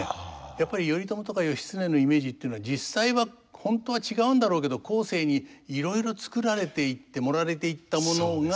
やっぱり頼朝とか義経のイメージっていうのは実際は本当は違うんだろうけど後世にいろいろ作られていって盛られていったものが。